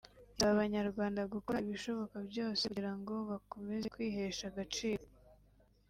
isaba Abanyarwanda gukora ibishoboka byose kugira ngo bakomeze kwihesha agaciro